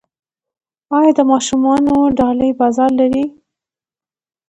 آیا د ماشومانو ډالۍ بازار لري؟